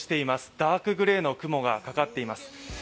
ダークグレーの雲がかかっています。